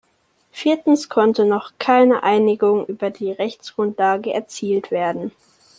Viertens konnte noch keine Einigung über die Rechtsgrundlage erzielt werden.